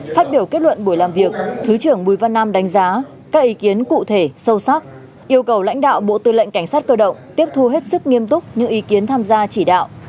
phát biểu kết luận buổi làm việc thứ trưởng bùi văn nam đánh giá các ý kiến cụ thể sâu sắc yêu cầu lãnh đạo bộ tư lệnh cảnh sát cơ động tiếp thu hết sức nghiêm túc những ý kiến tham gia chỉ đạo